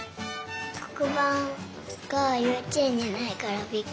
こくばんがようちえんにないからびっくりした。